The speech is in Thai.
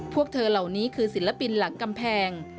พวกเธอเหล่านี้คือศิลปินหลังกำแพง